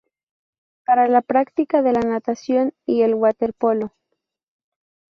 Para la práctica de la natación y el waterpolo.